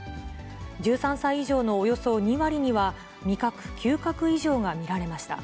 １３歳以上のおよそ２割には味覚・嗅覚異常が見られました。